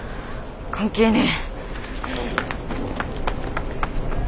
関係ねえ。